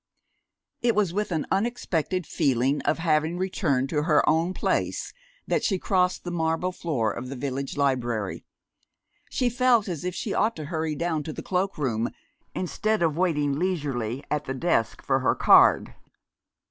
It was with an unexpected feeling of having returned to her own place that she crossed the marble floor of the village library. She felt as if she ought to hurry down to the cloak room, instead of waiting leisurely at the desk for her card.